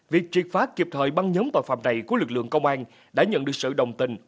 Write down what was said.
việc triệt phá kịp thời băng nhóm tội phạm này của lực lượng công an đã nhận được sự đồng tình